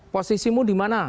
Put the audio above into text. posisimu di mana